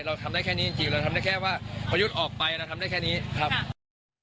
เราทำได้แค่นี้จริงเราทำได้แค่ว่าประยุทธ์ออกไปเราทำได้แค่นี้ครับ